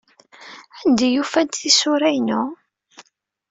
Anda ay ufant tisura-inu?